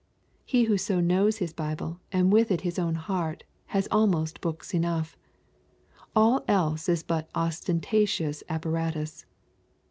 He who so knows his Bible and with it his own heart has almost books enough. All else is but ostentatious apparatus.